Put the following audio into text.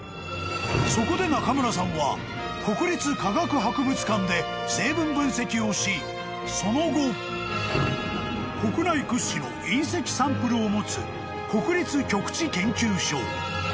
［そこで中村さんは国立科学博物館で成分分析をしその後国内屈指の隕石サンプルを持つ］